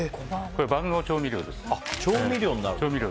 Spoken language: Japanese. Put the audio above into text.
万能調味料です。